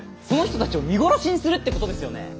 その人たちを見殺しにするってことですよね。